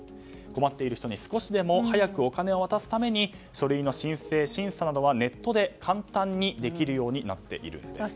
困っている人に少しでも早くお金を渡すために書類の申請、審査などはネットで簡単にできるようになっています。